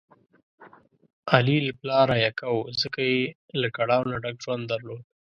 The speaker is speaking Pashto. علي له پلاره یکه و، ځکه یې له کړاو نه ډک ژوند درلود.